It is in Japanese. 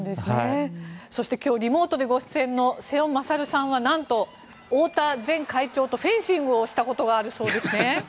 そして、今日リモートでご出演の瀬尾傑さんはなんと太田前会長とフェンシングをしたことがあるそうですね。